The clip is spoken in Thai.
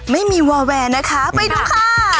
ไม่มีวาแวร์นะคะไปดูค่ะ